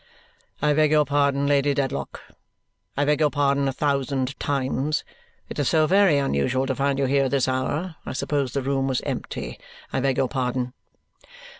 "I beg your pardon, Lady Dedlock. I beg your pardon a thousand times. It is so very unusual to find you here at this hour. I supposed the room was empty. I beg your pardon!"